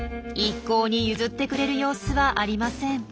一向に譲ってくれる様子はありません。